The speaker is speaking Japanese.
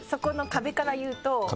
壁から言うと。